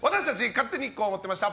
勝手にこう思ってました！